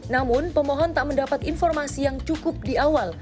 namun pemohon tak mendapat informasi yang cukup di awal